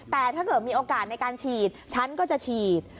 แต่ถ้าเกิดมีโอกาสในการฉีดฉันก็จะฉีด